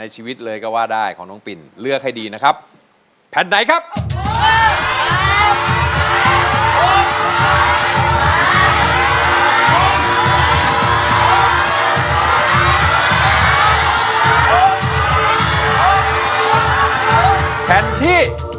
ใช้หรือไม่ใช้